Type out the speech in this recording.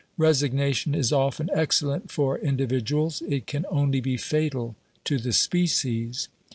Resignation is often excellent for indi viduals ; it can only be fatal to the species.